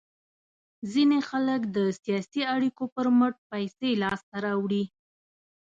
ځینې خلک د سیاسي اړیکو په مټ پیسې لاس ته راوړي.